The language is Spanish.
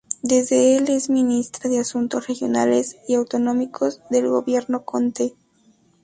Desde el es Ministra de Asuntos Regionales y Autonómicos del Gobierno Conte.